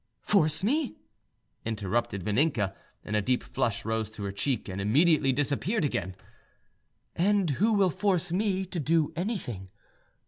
"Force me!" interrupted Vaninka, and a deep flush rose to her cheek and immediately disappeared again. "And who will force me to do anything?